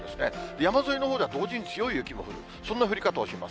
山沿いのほうでは同時に強い雪も降る、そんな降り方をします。